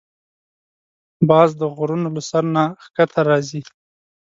باز د غرونو له سر نه ښکته راځي